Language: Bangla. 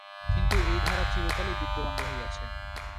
কিন্তু এই ধারা চিরকালই বিদ্যমান রহিয়াছে।